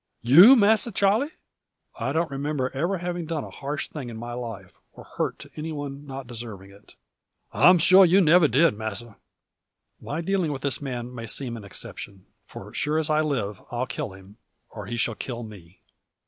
"You, Masser Charle!" "I don't remember ever having done a harsh thing in my life, or hurt to anyone not deserving it." "I am sure you never did, masser." "My dealing with this man may seem an exception. For sure as I live, I'll kill him, or he shall kill me."